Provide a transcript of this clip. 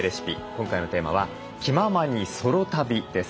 今回のテーマは「気ままにソロ旅」です。